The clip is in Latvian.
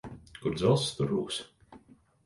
Kur dzelzs, tur rūsa.